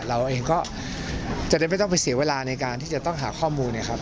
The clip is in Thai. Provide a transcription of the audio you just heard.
เราเองก็จะได้ไม่ต้องไปเสียเวลาในการที่จะต้องหาข้อมูลนะครับ